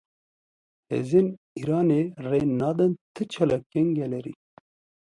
Hêzên Îranê rê nadin ti çalakiyeke gelêrî.